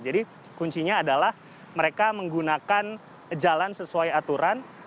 jadi kuncinya adalah mereka menggunakan jalan sesuai aturan